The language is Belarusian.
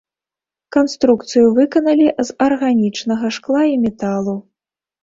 Канструкцыю выканалі з арганічнага шкла і металу.